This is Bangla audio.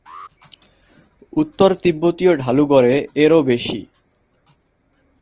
উত্তর তিব্বতীয় ঢালু গড়ে এর ও বেশি।